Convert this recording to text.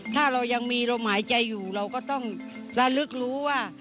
ถ้าเรายังมีลมหายใจอยู่เราก็ต้องระลึกรู้ว่า